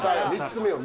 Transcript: ３つ目よ